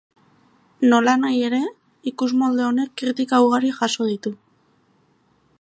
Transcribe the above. Nolanahi ere, ikusmolde honek kritika ugari jaso ditu.